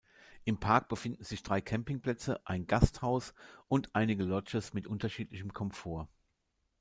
Im Park befinden sich drei Campingplätze, ein Gasthaus und einige Lodges mit unterschiedlichem Komfort.